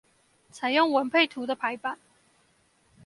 採用文配圖的排版